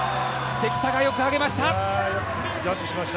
関田がよく上げました。